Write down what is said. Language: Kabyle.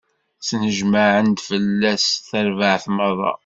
Snejmaɛen-d fell-as tarbaɛt meṛṛa.